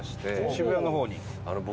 渋谷の方に。